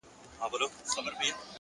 ښه نیت لارې اسانه کوي,